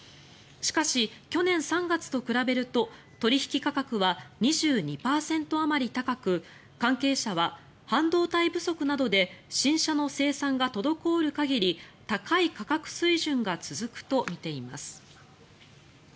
しかし、去年３月と比べると取引価格は２２％あまり高く関係者は半導体不足などで新車の生産が滞る限り高い価格水準が続くとみています。